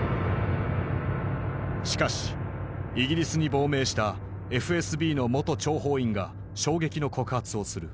しかしイギリスに亡命したＦＳＢの元諜報員が衝撃の告発をする。